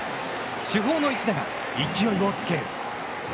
主砲の一打が勢いを付ける。